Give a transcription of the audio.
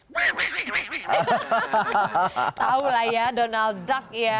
tahu lah ya donald duck ya